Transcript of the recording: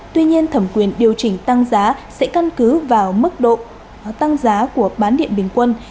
tuy nhiên thẩm quyền điều chỉnh tăng giá sẽ căn cứ vào mức độ tăng giá của bán điện bình quân